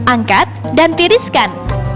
angkat dan tiriskan